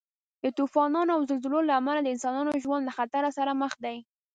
د طوفانو او زلزلې له امله د انسانانو ژوند له خطر سره مخ دی.